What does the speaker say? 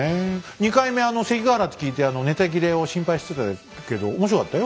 ２回目関ヶ原って聞いてネタ切れを心配してたけど面白かったよ